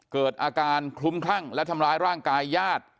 เกิดอาการคลุ้มคลั่งและทำร้ายร่างกายญาติ